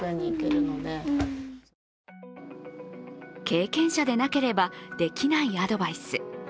経験者でなければできないアドバイス。